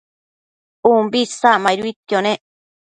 umbi isacmaiduidquio nec